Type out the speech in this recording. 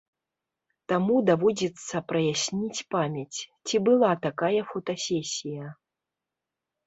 Таму даводзіцца праясніць памяць, ці была такая фотасесія.